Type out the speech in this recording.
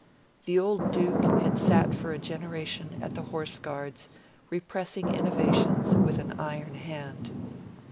The old Duke had sat for a generation at the Horse Guards repressing innovations with an iron hand.